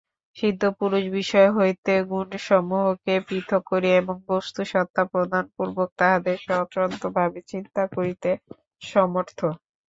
সিদ্ধপুরুষ বিষয় হইতে গুণসমূহকে পৃথক করিয়া এবং বস্তুসত্তা প্রদানপূর্বক তাহাদের স্বতন্ত্রভাবে চিন্তা করিতে সমর্থ।